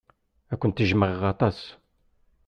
Ad kent-jjmeɣ aṭas.